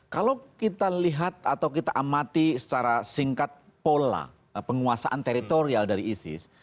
kalau kita lihat atau kita amati secara singkat pola penguasaan teritorial dari isis